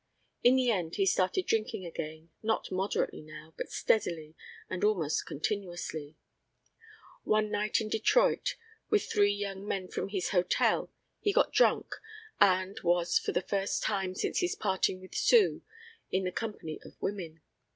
In the end he started drinking again, not moderately now, but steadily and almost continuously. One night in Detroit, with three young men from his hotel, he got drunk and was, for the first time since his parting with Sue, in the company of women.